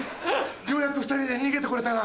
ようやく２人で逃げて来れたな。